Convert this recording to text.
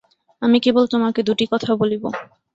আমি কেবল তােমাকে দুটি কথা বলিব।